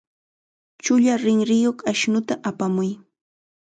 Chulla rinriyuq ashnuta apamuy.